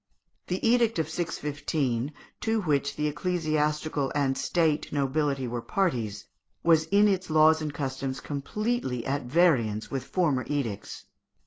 The edict of 615, to which the ecclesiastical and State nobility were parties, was in its laws and customs completely at variance with former edicts.